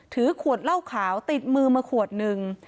ถือขวดเหล้าขาวติดมือมาขวดนึง